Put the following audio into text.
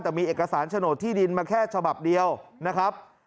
แต่มีเอกสารโฉนดที่ดินมาแค่ฉบับเดียวนะครับ